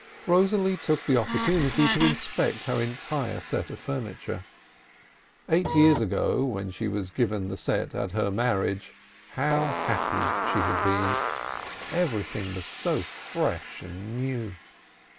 Rosalie took the oppor tunity to inspect her entire set of furniture. Eight years ago, when she was given the set at her marriage, how happy, she had been ! Everything was so fresh and new.